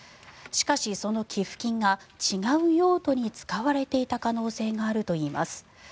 しかし、その寄付金が違う用途に使われていた可能性があるといいます。